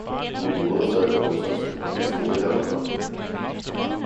min moder sad jo hos os, og det troede jeg var nok.